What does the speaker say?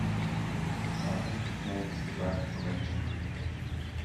The scientific name is derived from Ancient Greek.